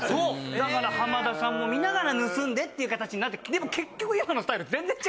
だから浜田さんも見ながら盗んでっていう形になってでも。